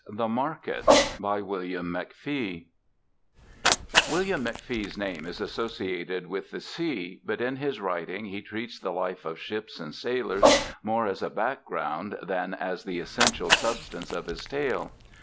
THE MARKET By WILLIAM MCFEE William McFee's name is associated with the sea, but in his writing he treats the life of ships and sailors more as a background than as the essential substance of his tale.